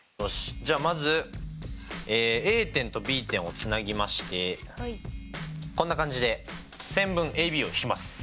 じゃあまずＡ点とＢ点をつなぎましてこんな感じで線分ＡＢを引きます。